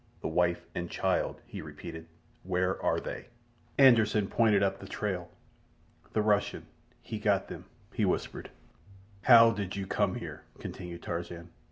"The wife and child!" he repeated. "Where are they?" Anderssen pointed up the trail. "The Russian—he got them," he whispered. "How did you come here?" continued Tarzan.